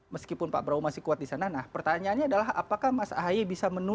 meskipun pak prabowo masih kuat di sana nah pertanyaannya adalah apakah mas ahy bisa menurun